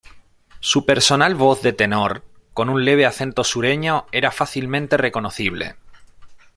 Su personal voz de tenor, con un leve acento sureño, era fácilmente reconocible.